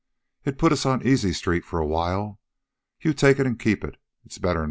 It'd a put us on Easy street for a while. You take it an' keep it. It's better 'n nothin'."